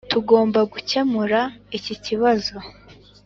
tugomba gukemura iki kibazo.